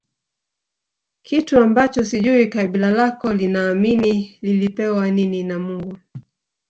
Kitu ambacho sijui kabila lako linaamini lilipewa nini na Mungu